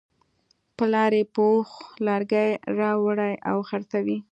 پلار یې په اوښ لرګي راوړي او خرڅوي.